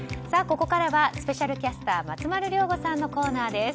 ここからはスペシャルキャスター松丸亮吾さんのコーナーです。